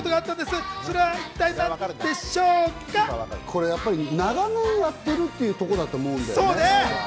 これやっぱり長年やってるっていうところだと思うんだよね。